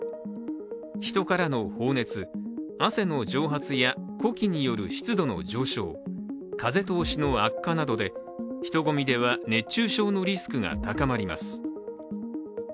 人からの放熱、汗の蒸発や呼気による湿度の上昇、風通しの悪化などで、人混みでは熱中症のリスクが高まります。